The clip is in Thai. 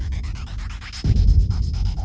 ตอนที่สุดมันกลายเป็นสิ่งที่ไม่มีความคิดว่า